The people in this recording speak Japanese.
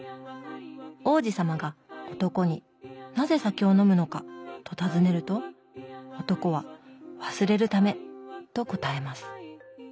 王子さまが男に「なぜ酒を飲むのか」と尋ねると男は「忘れるため」と答えます。